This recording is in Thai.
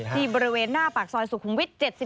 ที่บริเวณหน้าปากซอยสุขุมวิท๗๒